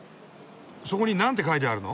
そこに何て書いてあるの？